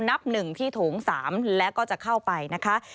นับ๑ที่โถง๓แล้วก็จะเข้าไปนะคะ